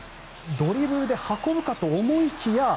ドリブルで運ぶかと思いきや。